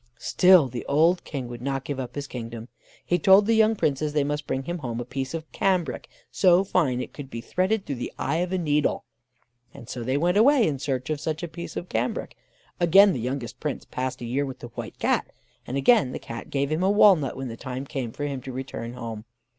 Still the old King would not give up his kingdom. He told the young Princes they must bring him home a piece of cambric so fine that it could be threaded through the eye of a needle; and so they went away in search of such a piece of cambric. Again the youngest Prince passed a year with the White Cat, and again the Cat gave him a walnut when the time came for him to return home.